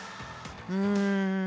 うん。